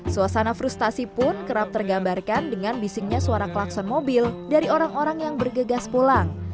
suasana frustasi pun kerap tergambarkan dengan bisingnya suara klakson mobil dari orang orang yang bergegas pulang